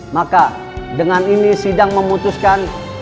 maka dengan ini sidang memutuskan